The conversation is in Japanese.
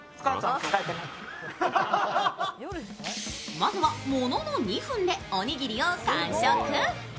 まずはものの２分でおにぎりを完食。